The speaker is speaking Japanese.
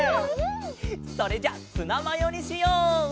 それじゃあツナマヨにしよう！